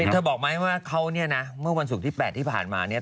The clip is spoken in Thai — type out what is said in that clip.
เธอบอกไหมว่าเขาเนี่ยนะเมื่อวันศุกร์ที่๘ที่ผ่านมาเนี่ย